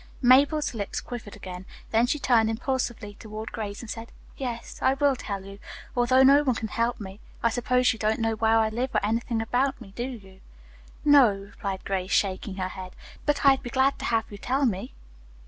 Mabel's lip quivered again. Then she turned impulsively toward Grace and said: "Yes; I will tell you, although no one can help me. I suppose you don't know where I live or anything about me, do you?" "No," replied Grace, shaking her head, "but I'd be glad to have you tell me."